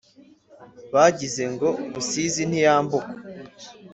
Bagize ngo Rusizi ntiyambukwa,